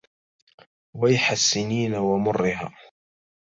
ويح السنين ومرها